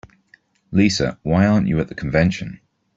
Lisa, why aren't you at the convention?